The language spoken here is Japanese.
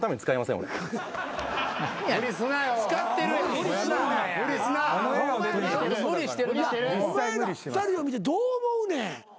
お前ら２人を見てどう思うねん？